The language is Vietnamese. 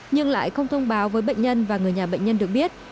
nhưng lại không thông báo với bệnh nhân và người nhà bệnh nhân được biết